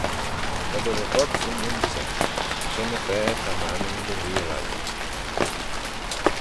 Ta dty recortyssyn yindyssagh: shen-y-fa ta m'annym dy reayll ad.